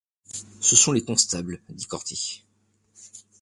Ce sont les constables… dit Corty.